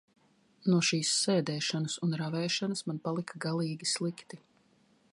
No šīs sēdēšanas un ravēšanas man palika galīgi slikti.